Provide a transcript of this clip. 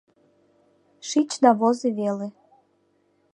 — Шич да возо веле.